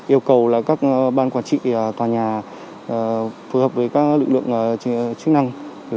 yêu cầu các ban quản trị tòa nhà phù hợp với các lực lượng chức năng